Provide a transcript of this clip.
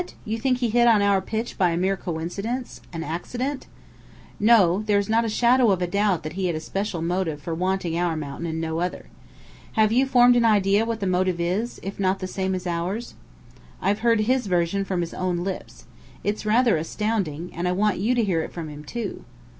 You think he hit on our pitch by a mere coincidence an accident?" "No. There's not a shadow of doubt that he had a special motive for wanting our mountain and no other." "Have you formed an idea what the motive is, if not the same as ours?" "I've heard his version from his own lips. It's rather astounding. And I want you to hear it from him, too."